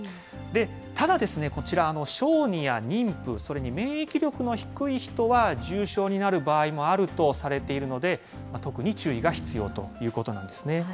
ただですね、こちら、小児や妊婦、それに免疫力の低い人は、重症になる場合もあるとされているので、特に注意が必要ということなんですね。